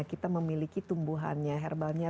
kita memiliki tumbuhannya herbalnya